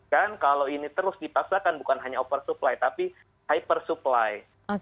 kan kalau ini terus dipaksakan bukan hanya oversupply tapi hyper supply